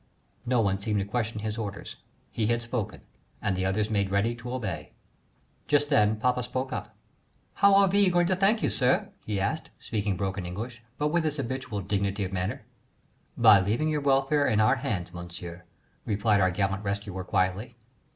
No one seemed to question his orders. He had spoken and the others made ready to obey. Just then papa spoke up: "How are we going to thank you, sir?" he asked, speaking broken English, but with his habitual dignity of manner. "By leaving your welfare in our hands, Monsieur," replied our gallant rescuer quietly.